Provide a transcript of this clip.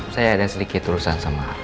saya ada sedikit urusan sama